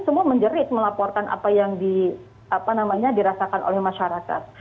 semua menjerit melaporkan apa yang dirasakan oleh masyarakat